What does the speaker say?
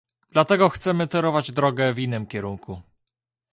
Dlatego chcemy torować drogę w innym kierunku